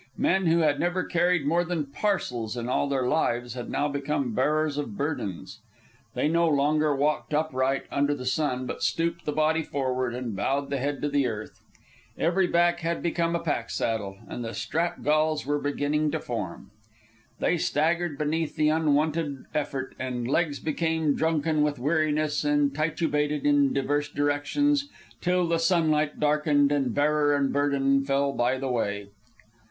Men who had never carried more than parcels in all their lives had now become bearers of burdens. They no longer walked upright under the sun, but stooped the body forward and bowed the head to the earth. Every back had become a pack saddle, and the strap galls were beginning to form. They staggered beneath the unwonted effort, and legs became drunken with weariness and titubated in divers directions till the sunlight darkened and bearer and burden fell by the way.